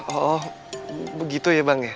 oh begitu ya bang